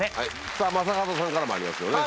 さぁ正門さんからもありますよね。